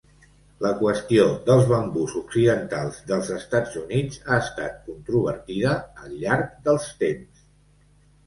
La qüestió dels bambús occidentals dels Estats Units ha estat controvertida al llarg dels temps.